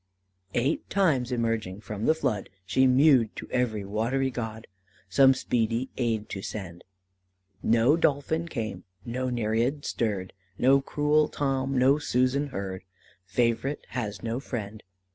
"Eight times emerging from the flood, She mewed to every watery god Some speedy aid to send; No dolphin came, no nereid stirred, No cruel Tom, no Susan heard, Favourite has no friend.